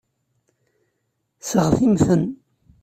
Seɣtimt-ten.